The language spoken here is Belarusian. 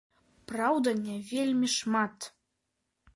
Праўда, не вельмі шмат.